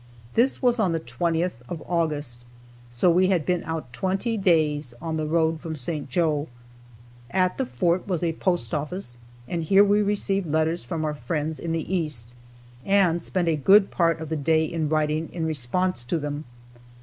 This was on the 20th of August, so we had been out twenty days on the road from St. Joe. At the fort was a postoffice and here we received letters from our friends in the East, and spent a good part of the day in writing, in response to them.